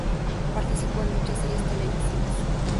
Participó en muchas series televisivas.